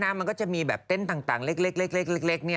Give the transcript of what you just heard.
แล้วจะมีแบบเต้นต่างเล็ก